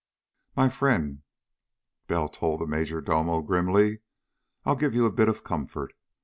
"My friend," Bell told the major domo grimly, "I'll give you a bit of comfort.